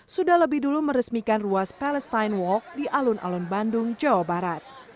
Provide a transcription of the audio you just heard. sudah lebih dulu meresmikan ruas palestine walk di alun alun bandung jawa barat